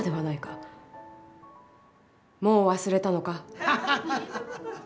もう忘れたのか。